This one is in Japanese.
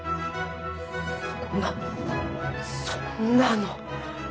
そんなそんなの。